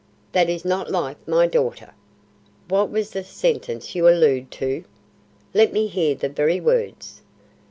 "That is not like my daughter. What was the sentence you allude to? Let me hear the very words."